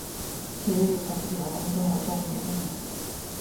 平日里他不仅要工作还要照顾年迈的奶奶。